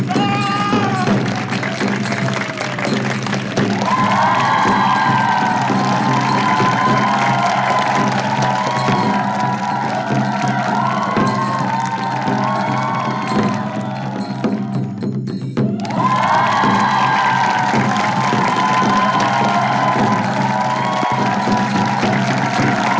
เฮ่ยไม่ใช่พีชอัน